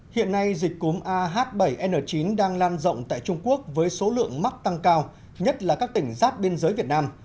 hiện nay dịch cúm ah bảy n chín đang lan rộng tại trung quốc với số lượng mắc tăng cao nhất là các tỉnh giáp biên giới việt nam